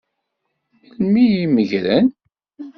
Melmi i meggren?